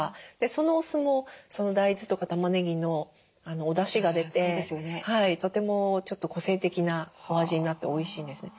そのお酢も大豆とかたまねぎのおだしが出てとてもちょっと個性的なお味になっておいしいんですね。